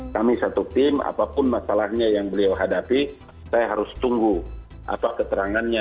kami satu tim apapun masalahnya yang beliau hadapi saya harus tunggu apa keterangannya